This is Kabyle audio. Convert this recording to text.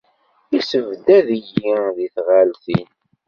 Issebdad-iyi di tɣaltin.